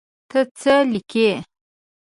ته څه لیکې.